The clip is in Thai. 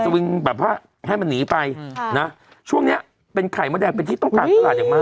วิงแบบว่าให้มันหนีไปนะช่วงเนี้ยเป็นไข่มดแดงเป็นที่ต้องการตลาดอย่างมาก